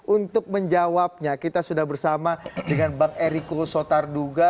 untuk menjawabnya kita sudah bersama dengan bang eriko sotarduga